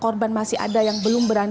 karena suatu tanggung jawab